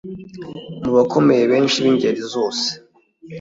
Mu bakomeye benshi b’ingeri zose